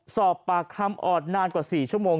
สอบปากคำออดนานกว่า๔ชั่วโมง